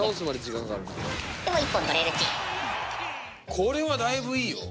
これはだいぶいいよ。